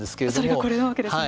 それがこれなわけですね。